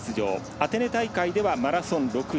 アテネ大会ではマラソン６位。